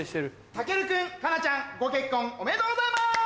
タケル君カナちゃんご結婚おめでとうございます！